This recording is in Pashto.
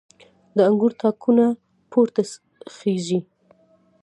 د انګور تاکونه پورته خیژي